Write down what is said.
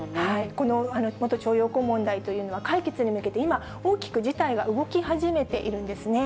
この元徴用工問題というのは、解決に向けて、今、大きく事態が動き始めているんですね。